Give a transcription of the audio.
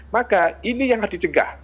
maka ini yang harus dicegah